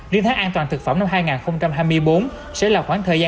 riêng tháng an toàn thực phẩm năm hai nghìn hai mươi bốn sẽ là khoảng thời gian